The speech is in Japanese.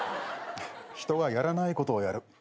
人がやらないことをやる。